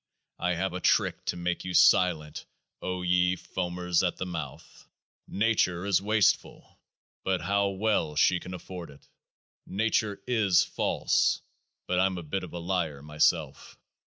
I have a trick to make you silent, O ye foamers at the mouth ! Nature is wasteful ; but how well She can afford it ! Nature is false ; but I'm a bit of a liar myself.